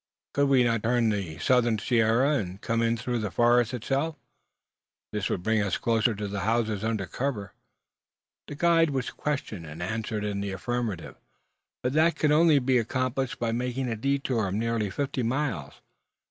Could we not turn the southern sierra, and come in through the forest itself? This would bring us close to the houses under cover. The guide was questioned, and answered in the affirmative. But that could only be accomplished by making a detour of nearly fifty miles.